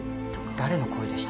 誰の声でした？